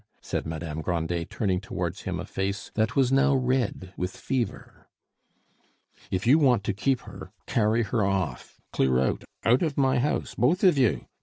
said Madame Grandet, turning towards him a face that was now red with fever. "If you want to keep her, carry her off! Clear out out of my house, both of you!